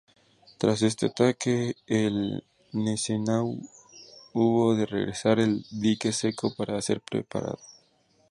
Tras este ataque, el "Gneisenau" hubo de regresar al dique seco para ser reparado.